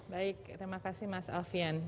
baik terima kasih mas alfian